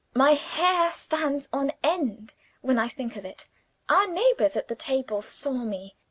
My hair stands on end, when I think of it. Our neighbors at the table saw me.